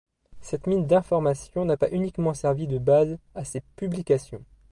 Cette mine d’informations n’a pas uniquement servi de base à ses publications.